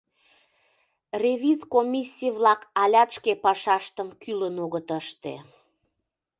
Ревиз комиссий-влак алят шке пашаштым кӱлын огыт ыште.